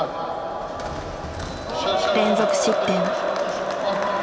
連続失点。